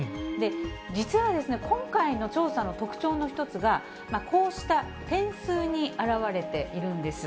実は今回の調査の特徴の一つが、こうした点数に表れているんです。